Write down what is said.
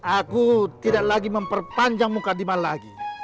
aku tidak lagi memperpanjang muka dima lagi